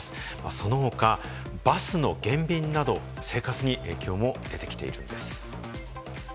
その他、バスの減便など、生活に影響も出てきているんです。